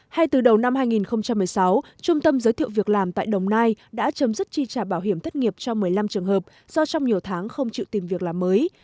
ngay từ đầu năm hai nghìn một mươi sáu trung tâm giới thiệu việc làm tại đồng nai đã chấm dứt chi trả bảo hiểm thất nghiệp cho một mươi năm trường hợp do trong nhiều tháng không chịu tìm việc làm mới